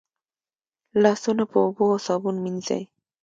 لاسونه په اوبو او صابون مینځئ.